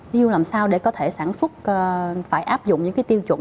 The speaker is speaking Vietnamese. ví dụ làm sao để có thể sản xuất phải áp dụng những tiêu chuẩn